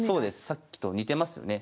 さっきと似てますよね。